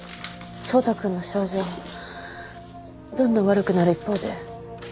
走太君の症状どんどん悪くなる一方で。